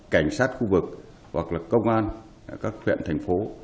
cảnh sát khu vực hoặc lực công an